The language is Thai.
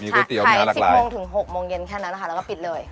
มีก๋วยเตี๋ยวมีมากรายใช่ขาย๑๐โมงถึง๖โมงเย็นแค่นั้นค่ะแล้วก็ปิดเลย